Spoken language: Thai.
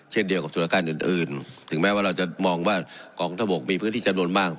เช่นเดียวกับสุรการอื่นอื่นถึงแม้ว่าเราจะมองว่ากองทบกมีพื้นที่จำนวนมาก